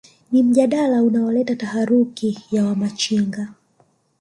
ni mjadala unaoleta taharuki ya Wamachinga